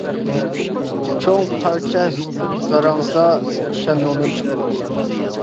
چوڭ پارچە زاراڭزا : شەندۇڭدىن چىقىدۇ.